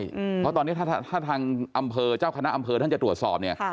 เพราะตอนนี้ถ้าทางอำเภอเจ้าคณะอำเภอท่านจะตรวจสอบเนี่ย